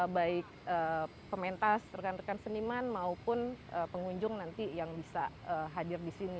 baik pementas rekan rekan seniman maupun pengunjung nanti yang bisa hadir di sini